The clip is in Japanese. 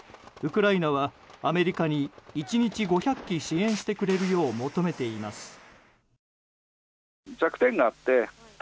ウクライナはアメリカに１日５００基支援してくれるよう求めています。